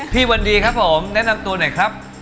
วันดีครับผมแนะนำตัวหน่อยครับ